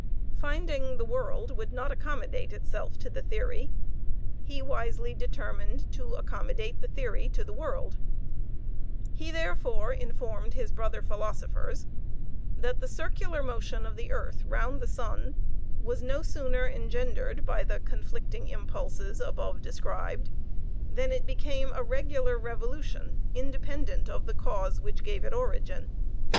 Finding the world would not accommodate itself to the theory, he wisely determined to accommodate the theory to the world; he therefore informed his brother philosophers that the circular motion of the earth round the sun was no sooner engendered by the conflicting impulses above described than it became a regular revolution independent of the cause which gave it origin.